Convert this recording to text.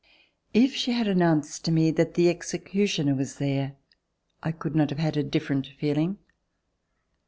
If she had announced to me that the executioner was there, I could not have had a different feeling.